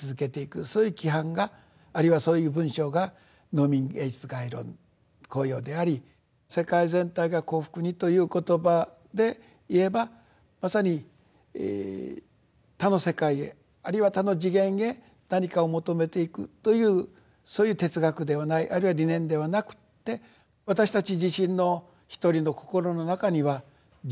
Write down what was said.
そういう規範があるいはそういう文章が「農民芸術概論綱要」であり世界全体が幸福にという言葉でいえばまさに他の世界へあるいは他の次元へ何かを求めていくというそういう哲学ではないあるいは理念ではなくて私たち自身の一人の心の中には地獄餓鬼畜生の悪もあります。